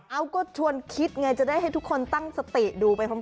เอาก็ชวนคิดไงจะได้ให้ทุกคนตั้งสติดูไปพร้อม